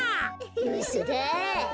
うそだぁ。